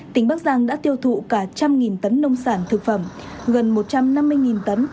tỉnh bắc giang đã tiêu thụ cả trăm nghìn tấn nông sản thực phẩm gần một trăm năm mươi tấn